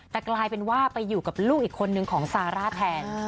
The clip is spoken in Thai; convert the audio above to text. แต่กลายเป็นว่าไปอยู่กับลูกอีกคนนึงของซาร่าแทน